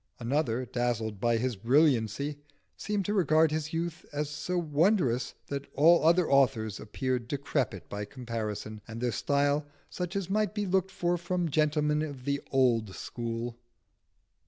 Another, dazzled by his brilliancy, seemed to regard his youth as so wondrous that all other authors appeared decrepit by comparison, and their style such as might be looked for from gentlemen of the old school.